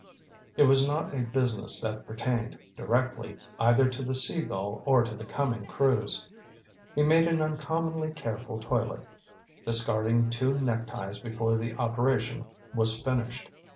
It was not a business that pertained, directly, either to the Sea Gull or to the coming cruise. He made an uncommonly careful toilet, discarding two neckties before the operation was finished.